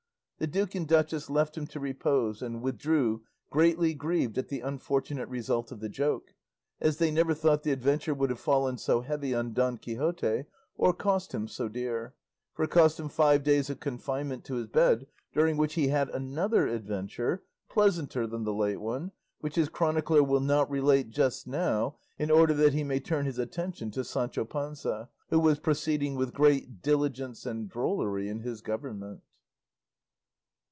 The duke and duchess left him to repose and withdrew greatly grieved at the unfortunate result of the joke; as they never thought the adventure would have fallen so heavy on Don Quixote or cost him so dear, for it cost him five days of confinement to his bed, during which he had another adventure, pleasanter than the late one, which his chronicler will not relate just now in order that he may turn his attention to Sancho Panza, who was proceeding with great diligence and drollery in his government.